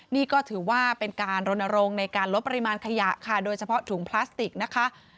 นี่ก็ถือว่าเป็นการรณรงค์ในการลดปริมาณขยะค่ะโดยเฉพาะถุงพลาสติกนะคะ